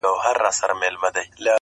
چي د پېزوان او د نتکۍ خبره ورانه سوله ,